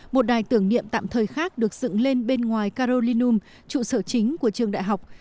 một đài tưởng niệm tạm thời khác được dựng lên bên ngoài carolinum trụ sở chính của trường đại học